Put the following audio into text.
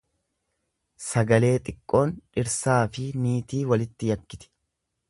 Sagalee xiqqoon dhirsaafi niitii walitti yakkiti.